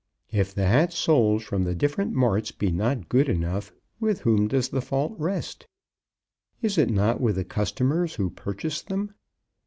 "If the hats sold from the different marts be not good enough, with whom does the fault rest? Is it not with the customers who purchase them?